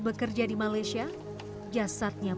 perempuan yang percaya dengannya